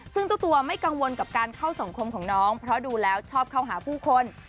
ซึ่งเจ้าตัวไม่กังวลกับการเข้าสังคมของน้องเพราะดูแล้วชอบเข้าหาผู้คน